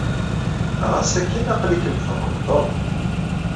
Ɣas akken, aql-ikem tɣelḍed.